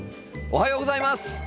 おはようございます。